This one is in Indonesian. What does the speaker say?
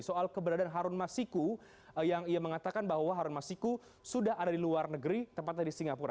soal keberadaan harun masiku yang ia mengatakan bahwa harun masiku sudah ada di luar negeri tempatnya di singapura